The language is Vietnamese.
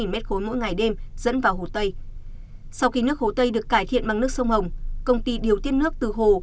mỗi ngày đêm dẫn vào hồ tây sau khi nước hồ tây được cải thiện bằng nước sông hồng công ty điều tiết nước từ hồ